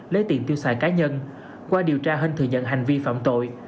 lấy tiền tiêu xài cá nhân qua điều tra hinh thừa nhận hành vi phạm tội